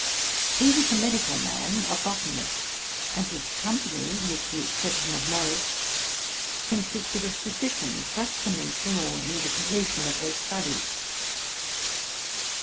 He was a medical man, a botan ist; and his company, with the exception of Morus, consisted of physicians just commencing or near the completion of their studies.